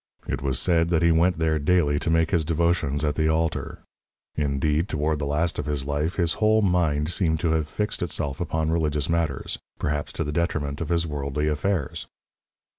It was said that he went there daily to make his devotions at the altar. Indeed, toward the last of his life his whole mind seemed to have fixed itself upon religious matters, perhaps to the detriment of his worldly affairs.